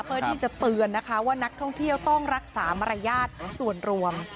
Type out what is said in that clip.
เพื่อที่จะเตือนนะคะว่านักท่องเที่ยวต้องรักษามารยาทส่วนรวม